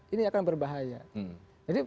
ini akan berbahaya jadi